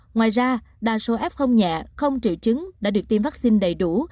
ngoài ra đa số f nhẹ không triệu chứng đã được tiêm vaccine đầy đủ